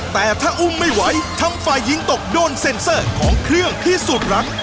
แต่ถ้าอุ้มไม่ไหวทำฝ่ายหญิงตกโดนเซ็นเซอร์ของเครื่องพิสูจน์รัก